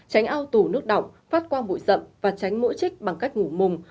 tránh ao tủ nước động phát quang bụi rậm và tránh mũi trích bằng cách ngủ mùng